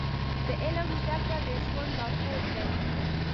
د علم زده کړه د ژوند لارښود دی.